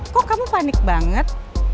kok kamu panik banget